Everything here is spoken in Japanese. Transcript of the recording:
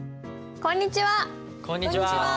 こんにちは！